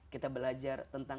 kita belajar tentang